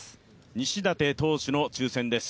西舘投手の抽選です。